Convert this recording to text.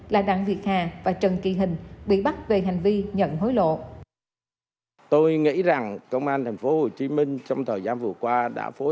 là đặng việt hà và trần kỳ hình bị bắt về hành vi nhận hối lộ